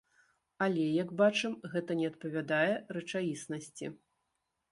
Але, як бачым, гэта не адпавядае рэчаіснасці.